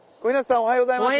おはようございます